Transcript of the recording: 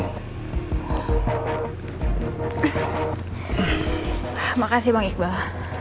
terima kasih bang iqbal